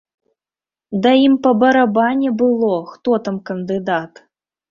Да ім па барабане было, хто там кандыдат!